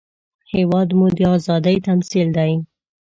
هېواد مو د ازادۍ تمثیل دی